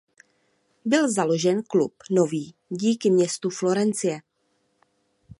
Byl založen klub nový díky městu Florencie.